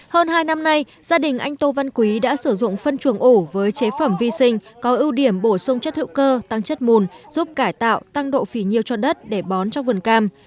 hơn hai năm nay gia đình anh tô văn quý đã sử dụng phân chuồng ổ với chế phẩm vi sinh có ưu điểm bổ sung chất hữu cơ tăng chất mùn giúp cải tạo tăng độ phỉ nhiêu cho đất để bón cho vườn cam